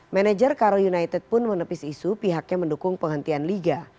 manajer karo united pun menepis isu pihaknya mendukung penghentian liga